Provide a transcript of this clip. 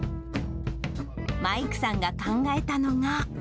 マイクさんが考えたのが。